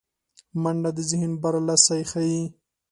منډه د ذهن برلاسی ښيي